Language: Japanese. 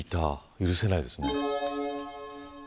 許せないですね。